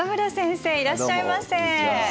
いらっしゃいませ。